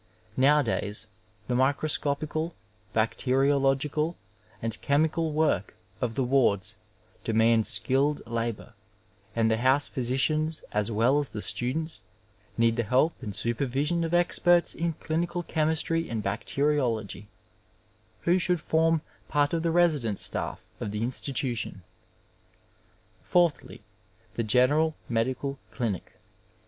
Nowadays the microscopical, bacteriological and chemical work of the wards demands skilled labour, and the house physicians as well as the students need the help and super vision of experts in clinical chemistry and bacteriology, who should form part of the resident sta£F of the institution. Fourthly, the general medical clinic.